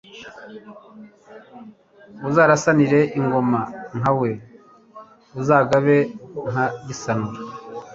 Uzarasanire ingoma nka we, Uzagabe nka Gisanura,